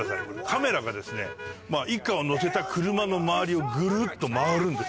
カメラが一家を乗せた車の周りをぐるっと回るんですよ。